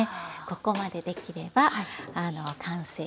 ここまでできれば完成です